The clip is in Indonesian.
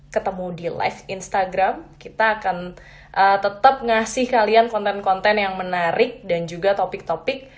ketemu di live instagram kita akan tetap ngasih kalian konten konten yang menarik dan juga topik topik